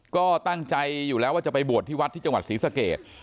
ก็ตั้งใจอยู่แล้วว่าจะไปบวชที่วัดที่จังหวัดศรีสเกต